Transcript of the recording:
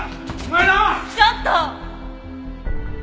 ちょっと！